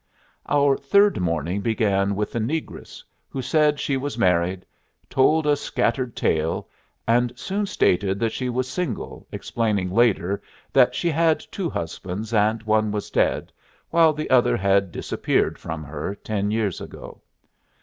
Our third morning began with the negress, who said she was married, told a scattered tale, and soon stated that she was single, explaining later that she had two husbands, and one was dead, while the other had disappeared from her ten years ago.